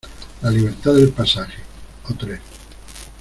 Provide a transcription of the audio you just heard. la libertad del pasaje. o tres: